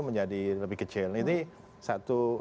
menjadi lebih kecil ini satu